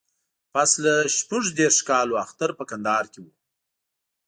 پسله شپږ دیرشو کالو اختر په کندهار کې و.